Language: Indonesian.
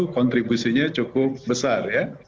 kontribusinya cukup besar ya